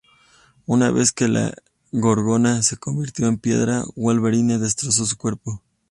Una vez que la Gorgona se convirtió en piedra, Wolverine destrozó su cuerpo.